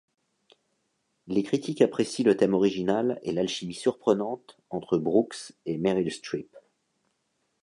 Les critiques apprécient le thème original et l'alchimie surprenante entre Brooks et Meryl Streep.